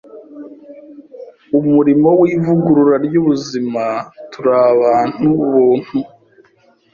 umurimo w’ivugurura ry’ubuzima. Turi abantu buntu